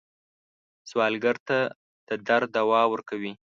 سوالګر ته د درد دوا ورکوئ